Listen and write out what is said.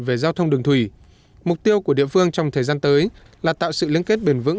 về giao thông đường thủy mục tiêu của địa phương trong thời gian tới là tạo sự liên kết bền vững